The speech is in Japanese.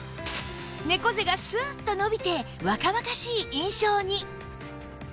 猫背がスッと伸びて若々しい印象に